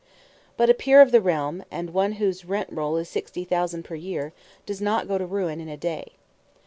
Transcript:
But a peer of the realm, and one whose rent roll is sixty thousand per annum, does not go to ruin in a day.